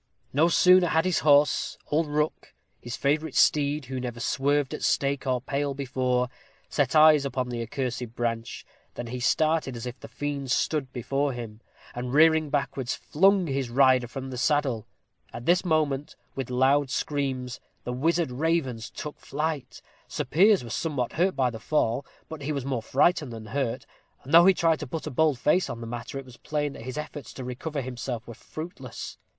No sooner had his horse old Rook, his favorite steed, who never swerved at stake or pale before set eyes upon the accursed branch, than he started as if the fiend stood before him, and, rearing backwards, flung his rider from the saddle. At this moment, with loud screams, the wizard ravens took flight. Sir Piers was somewhat hurt by the fall, but he was more frightened than hurt; and though he tried to put a bold face on the matter, it was plain that his efforts to recover himself were fruitless.